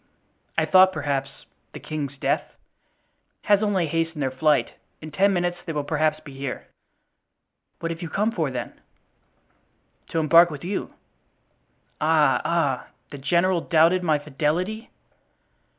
"I thought, perhaps, that the king's death——" "Has only hastened their flight; in ten minutes they will perhaps be here." "What have you come for, then?" "To embark with you." "Ah! ah! the general doubted my fidelity?"